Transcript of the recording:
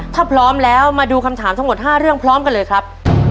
ถ้าพร้อมแล้วมาดูคำถามทั้งหมด๕เรื่องพร้อมกันเลยครับ